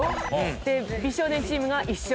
で美少年チームが１勝。